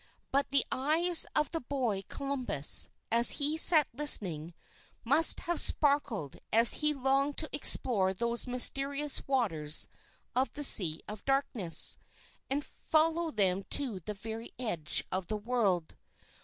But the eyes of the boy Columbus, as he sat listening, must have sparkled as he longed to explore those mysterious waters of the Sea of Darkness, and follow them to the very edge of the world.